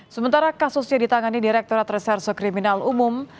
sementara kasusnya ditangani direkturat reserse kriminal umum